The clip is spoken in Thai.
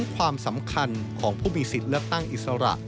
ความสำคัญของผู้มีสิทธิ์เลือกตั้งอิสระ